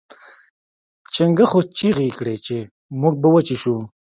چنګښو چیغې کړې چې موږ به وچې شو.